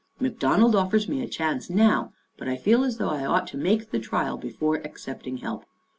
McDon ald offers me a chance now, but I feel as though I ought to make the trial before accepting help.